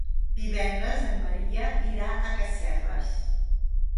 Divendres en Maria irà a Casserres.